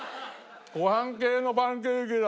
ご飯系のパンケーキだ。